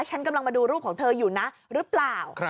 ฉันกำลังมาดูรูปของเธออยู่นะหรือเปล่า